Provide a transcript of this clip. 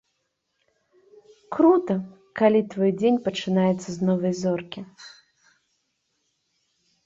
Крута, калі твой дзень пачынаецца з новай зоркі.